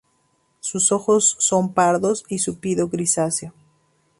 Sus ojos son pardos y su pido grisáceo.